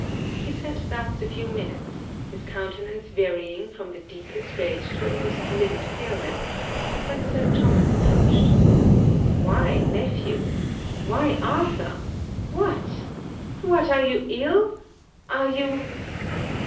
He sat thus a few minutes, his countenance varying from the deepest red to a most livid paleness, when Sir Thomas approached. 'Why, nephew! why Arthur! what, what, are you ill? are you